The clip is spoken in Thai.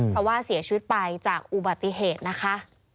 เพราะว่าเสียชีวิตไปจากอุบัติเหตุนะคะ